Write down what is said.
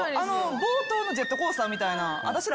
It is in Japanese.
冒頭のジェットコースター私ら。